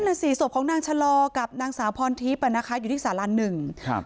น่ะสี่ศพของนางชะลอกับนางสาวพรทิพย์อ่ะนะคะอยู่ที่สารหนึ่งครับ